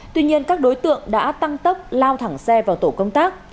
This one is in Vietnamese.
tuy nhiên các đối tượng đã tăng tốc lao thẳng xe vào tổ công tác